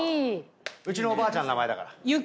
うちのおばあちゃんの名前だから。